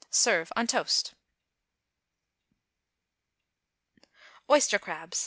Serve on toast. =Oyster Crabs.